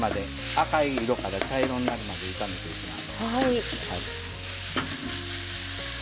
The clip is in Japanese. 赤い色から茶色になるまで炒めていきます。